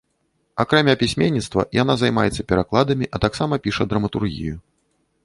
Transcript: Акрамя пісьменніцтва, яна займаецца перакладамі, а таксама піша драматургію.